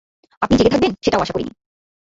আপনি জেগে থাকবেন সেটাও আশা করিনি।